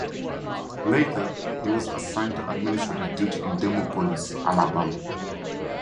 Later, he was assigned to administrative duty in Demopolis, Alabama.